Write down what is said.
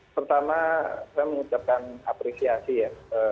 pertama saya mengucapkan apresiasi ya